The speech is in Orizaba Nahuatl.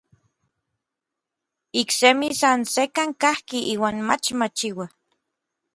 Iksemi san sekkan kajki iuan mach machiua.